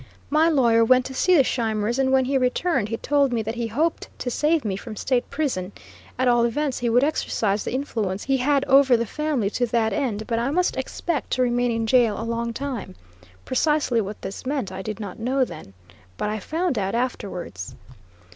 My lawyer went to see the Scheimers and when he returned he told me that he hoped to save me from State prison at all events he would exercise the influence he had over the family to that end; but I must expect to remain in jail a long time. Precisely what this meant I did not know then; but I found out afterwards.